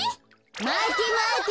まてまて。